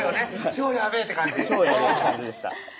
超やべぇって感じでした